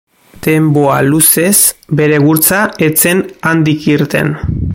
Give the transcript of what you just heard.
Denbora luzez, bere gurtza ez zen handik irten.